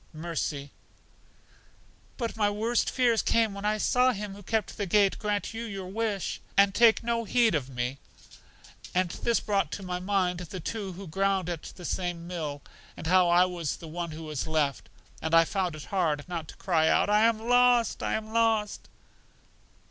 Mercy: But my worst fears came when I saw Him who kept the gate grant you your wish, and take no heed of me. And this brought to my mind the two who ground at the same mill, and how I was the one who was left; and I found it hard not to cry out, I am lost! I am lost!